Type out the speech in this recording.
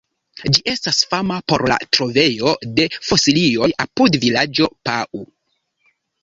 Ĝi estas fama por la trovejo de fosilioj apud vilaĝo Pau.